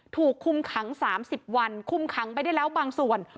ถูกคุมขัง๓๐วันคุมขังไปได้แล้วบางส่วน